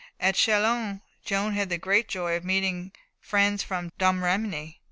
At Châlons, Joan had the great joy of meeting friends from Domremy.